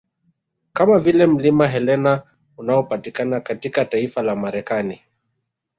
Kama vile mlima Helena unaopatikana katika taifa la Marekani